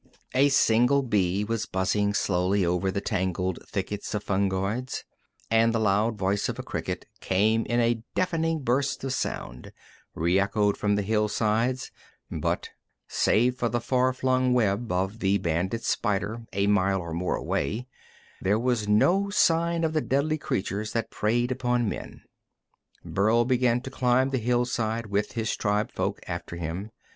A single bee was buzzing slowly over the tangled thickets of fungoids, and the loud voice of a cricket came in a deafening burst of sound, reechoed from the hillsides, but save for the far flung web of the banded spider a mile or more away, there was no sign of the deadly creatures that preyed upon men. Burl began to climb the hillside with his tribefolk after him.